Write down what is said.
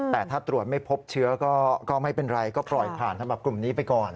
แต่ถ้าตรวจไม่พบเชื้อก็ไม่เป็นไรก็ปล่อยผ่านสำหรับกลุ่มนี้ไปก่อน